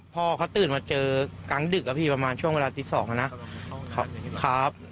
พ่อเขาตื่นมาเจอกลางดึกอะพี่ประมาณช่วงเวลาตี๒นะครับ